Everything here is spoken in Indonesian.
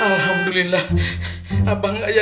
alhamdulillah abah gak jadi penjara